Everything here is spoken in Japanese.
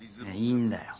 いいんだよ。